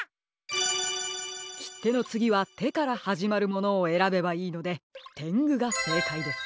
きってのつぎは「て」からはじまるものをえらべばいいのでてんぐがせいかいです。